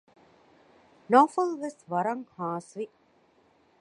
ނައުފަލުވެސް ވަރަށް ހާސްވި